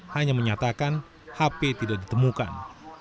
hanya menyatakan hp tidak ditemukan